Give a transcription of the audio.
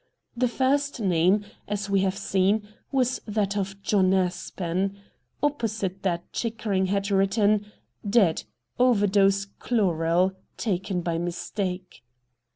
The first name, as we have seen, was that of John Aspen. Opposite that Chickering had written :' Dead. Over dose chloral, taken by mistake.'